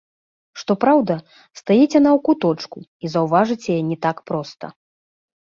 Што праўда, стаіць яна ў куточку, і заўважыць яе не так проста.